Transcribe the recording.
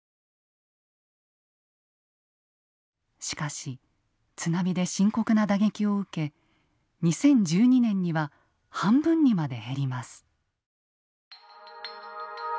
しかし津波で深刻な打撃を受け２０１２年には半分にまで減ります。